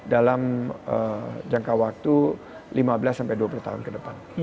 dalam jangka waktu lima belas sampai dua puluh tahun ke depan